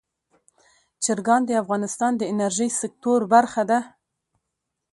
چرګان د افغانستان د انرژۍ سکتور برخه ده.